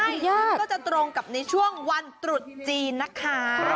ก็จะตรงกับในช่วงวันตรุษจีนนะคะ